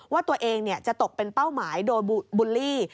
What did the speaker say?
ว่าตัวเองจะตกเป็นเป้าหมายโดยบูลลี่